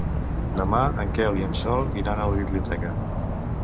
Demà en Quel i en Sol iran a la biblioteca.